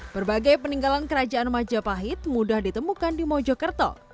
berbagai peninggalan kerajaan majapahit mudah ditemukan di mojokerto